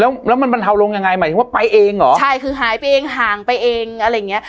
แล้วแล้วมันบรรเทาลงยังไงหมายถึงว่าไปเองเหรอใช่คือหายไปเองห่างไปเองอะไรอย่างเงี้ย